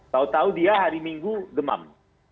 tahu tahu dia hari minggu demam